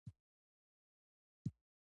دوی د فعالیتونو د ترسره کیدو په اړه دي.